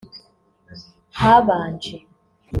Habanje